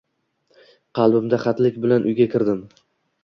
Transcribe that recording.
Qalbimda hadik bilan uyga kirdim